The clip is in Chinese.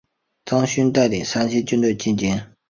张勋带领三千军队进京。